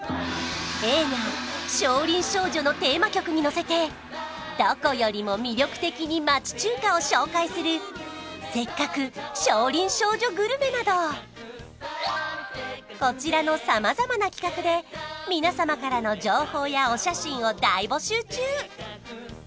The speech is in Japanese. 映画「少林少女」のテーマ曲にのせてどこよりも魅力的に町中華を紹介する「せっかく少林少女グルメ」などこちらのさまざまな企画で皆様からの情報やお写真を大募集中！